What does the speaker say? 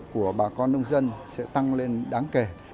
của bà con nông dân sẽ tăng lên đáng kể